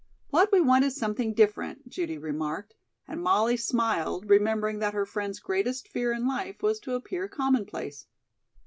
"What we want is something different," Judy remarked, and Molly smiled, remembering that her friend's greatest fear in life was to appear commonplace.